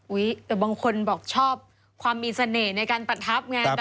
แต่บางคนบอกชอบความมีเสน่ห์ในการประทับไง